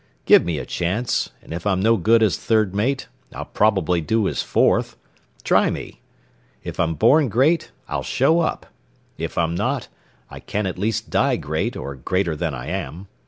"Give me a chance, 'n' if I'm no good as third mate, I'll probably do as fourth. Try me. If I'm born great, I'll show up. If I'm not, I can at least die great, or greater than I am.